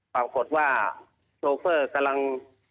ปรากฏว่าโชเฟอร์กำลัง